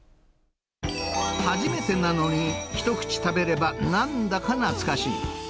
初めてなのに、一口食べればなんだか懐かしい。